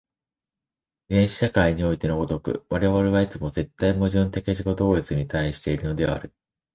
原始社会においての如く、我々はいつも絶対矛盾的自己同一に対しているのである。